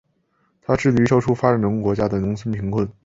它致力于消除发展中国家的农村贫困。